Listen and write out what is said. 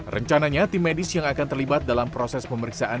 rencananya tim medis yang akan terlibat dalam proses pemeriksaan